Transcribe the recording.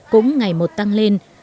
cũng ngày một tăng lên